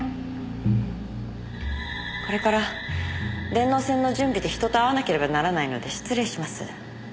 これから電脳戦の準備で人と会わなければならないので失礼します。